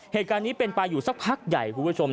เหตุการณ์นี้เป็นไปอยู่สักพักใหญ่คุณผู้ชม